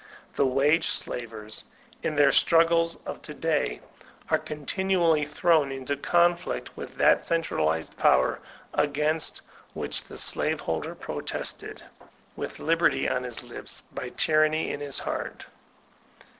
The wage slaves, m their struggles of to* day, are continually thrown into conflict with that cen tralized power, against which the slave holder protested (with liberty on his lips but tyranny in hb heart).